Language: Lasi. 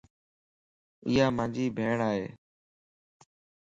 ايا مانجي ڀيڻ ائي